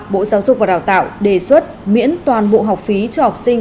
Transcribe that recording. bộ giáo dục và đào tạo đề xuất miễn toàn bộ học phí cho học sinh